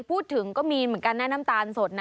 บางทีขร้องหมดแต่วัน